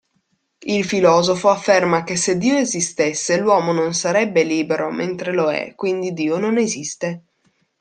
Il filosofo afferma che se Dio esistesse l'uomo non sarebbe libero mentre lo è quindi Dio non esiste.